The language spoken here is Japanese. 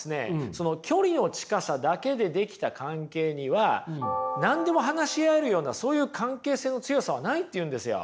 その距離の近さだけでできた関係には何でも話し合えるようなそういう関係性の強さはないって言うんですよ。